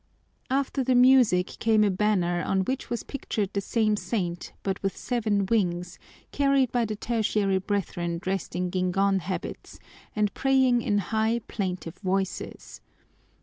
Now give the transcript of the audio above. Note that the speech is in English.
After the music came a banner on which was pictured the same saint, but with seven wings, carried by the Tertiary Brethren dressed in guingón habits and praying in high, plaintive voices.